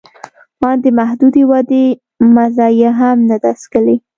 آن د محدودې ودې مزه یې هم نه ده څکلې